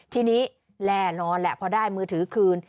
ทีนี้แน่นอนแหละพอได้มือถือคืน